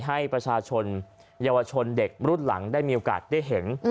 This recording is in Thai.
ให้ประชาชนเยาวชนเด็กรุ่นหลังได้มีโอกาสได้เห็น